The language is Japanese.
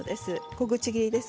小口切りです。